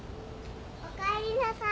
・おかえりなさい。